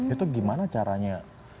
itu gimana caranya